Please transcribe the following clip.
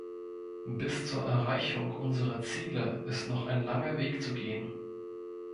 Bis zur Erreichung unserer Ziele ist noch ein langer Weg zu gehen.